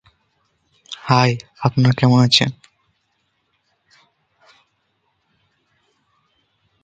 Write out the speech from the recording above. However, some institutions also consider personal statements, interviews, and letters of recommendation.